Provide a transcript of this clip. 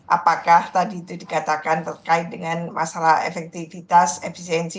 apakah tadi itu dikatakan terkait dengan masalah efektivitas efisiensi